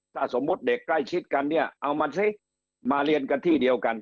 ถ้าสมมุติเด็กใกล้ชิดกันเนี่ยเอามันสิมาเรียนกันที่เดียวกัน